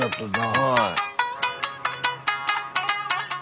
はい。